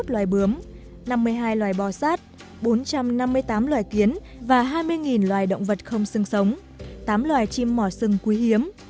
hai trăm tám mươi một loài bướm năm mươi hai loài bò sát bốn trăm năm mươi tám loài kiến và hai mươi loài động vật không sưng sống tám loài chim mỏ sưng quý hiếm